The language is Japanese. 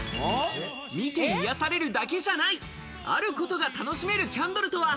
見て癒やされるだけじゃない、あることが楽しめるキャンドルとは？